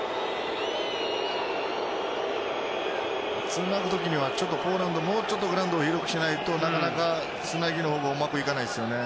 つなぐ時にはちょっとポーランドはもうちょっとグラウンドを広く使わないとなかなかつなぎがうまくいかないですね。